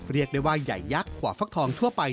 เรียกได้ว่าใหญ่ยักษ์กว่าฟักทองทั่วไป